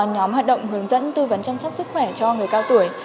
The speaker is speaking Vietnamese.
nhóm hoạt động hướng dẫn tư vấn chăm sóc sức khỏe cho người cao tuổi